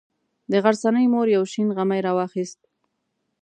د غرڅنۍ مور یو شین غمی راواخیست.